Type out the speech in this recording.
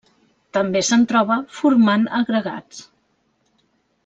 També se'n troba formant agregats.